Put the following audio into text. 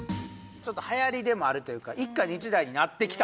ちょっとはやりでもあるというか一家に１台になってきた